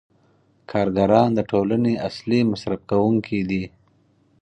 کارګران د ټولنې اصلي مصرف کوونکي دي